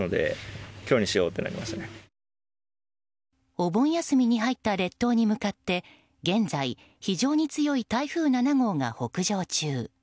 お盆休みに入った列島に向かって現在、非常に強い台風７号が北上中。